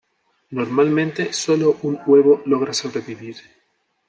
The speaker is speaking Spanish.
Normalmente sólo un huevo logra sobrevivir.